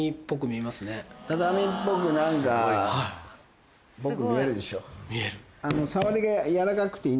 畳っぽく何かっぽく見えるでしょ。